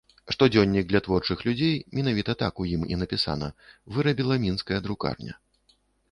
Штодзённік для творчых людзей, менавіта так у ім і напісана, вырабіла мінская друкарня.